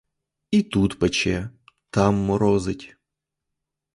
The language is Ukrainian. І тут пече, там морозить.